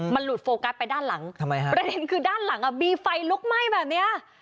มันหลุดโฟกัสไปด้านหลังทำไมฮะประเด็นคือด้านหลังอ่ะมีไฟลุกไหม้แบบเนี้ย